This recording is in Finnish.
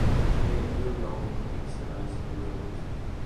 Ei, hiljaa oli Topi ystäväänsä huudellut.